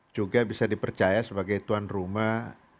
juga bisa dipercaya sebagai tuan rumah